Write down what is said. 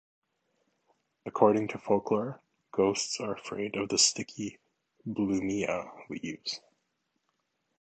According to folklore, ghosts are afraid of the sticky "Blumea" leaves.